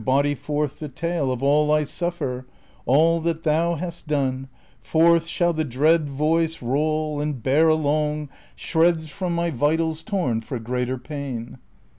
87 Of all I suffer, all that thou hast done, Forth shall the dread voice roll, and bear along Shreds from my vitals torn for greater pain.